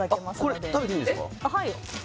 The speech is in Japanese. これ食べていいんですか？